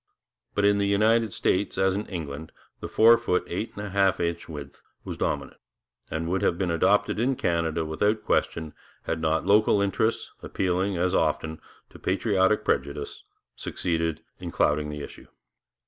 But in the United States, as in England, the four foot eight and a half inch width was dominant, and would have been adopted in Canada without question, had not local interests, appealing, as often, to patriotic prejudice, succeeded in clouding the issue.